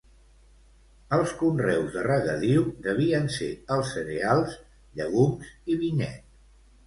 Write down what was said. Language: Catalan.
Els conreus de regadiu devien ser els cereals, llegums i vinyet.